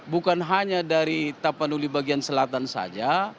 bukan hanya dari tapanuli bagian selatan saja